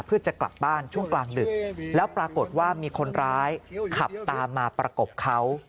เพื่อจะกลับบ้านช่วงกลางดึกแล้วปรากฏว่ามีคนร้ายขับตามมาประกบเขา